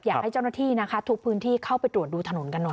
อยากให้เจ้าหน้าที่นะคะทุกพื้นที่เข้าไปตรวจดูถนนกันหน่อย